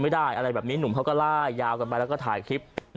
อะไรแบบนี้หนุ่มเขาก็ล่ายยาวกันไปแล้วก็ถ่ายคลิป